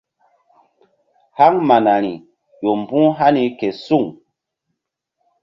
Haŋ manari ƴo mbu̧h hani ke suŋ.